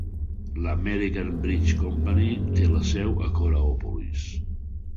L'American Bridge Company té la seu a Coraopolis.